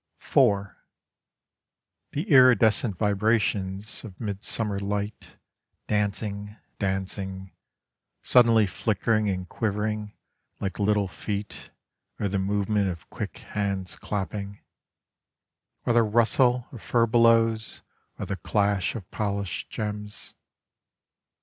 IV The iridescent vibrations of midsummer light Dancing, dancing, suddenly flickering and quivering Like little feet or the movement of quick hands clapping, Or the rustle of furbelows or the clash of polished gems.